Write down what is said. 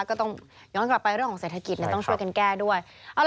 ก็ต้องย้อนกลับไปเรื่องของเศรษฐกิจต้องช่วยกันแก้ด้วย